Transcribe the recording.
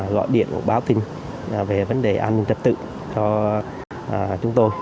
gọi điện báo tin về vấn đề an ninh trạc tự cho chúng tôi